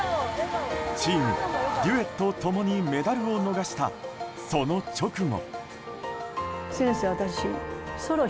チーム、デュエットともにメダルを逃したその直後。